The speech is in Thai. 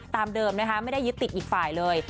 ตามเดิมนะคะไม่ได้ยึดติดอีกฝ่ายเลย